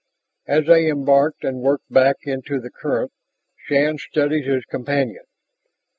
As they embarked and worked back into the current, Shann studied his companion.